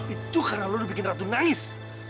itu karena lo bikin ratu nangis